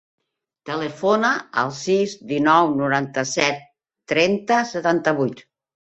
Telefona al sis, dinou, noranta-set, trenta, setanta-vuit.